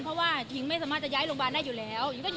เพราะว่าหญิงไม่สามารถจะย้ายโรงพยาบาลได้อยู่แล้ว